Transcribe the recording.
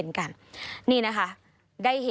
สวัสดีค่ะสวัสดีค่ะ